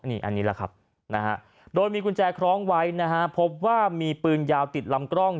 อันนี้แหละครับนะฮะโดยมีกุญแจคล้องไว้นะฮะพบว่ามีปืนยาวติดลำกล้อง